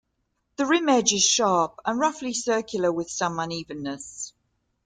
The rim edge is sharp and roughly circular, with some unevenness.